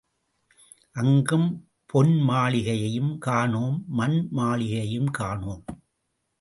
அங்கும் பொன் மாளிகையையும் காணோம், மண் மாளிகையையும் காணோம்.